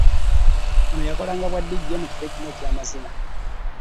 Ono yakolanga bwa DJ mu kifo ekimu eky'amazina.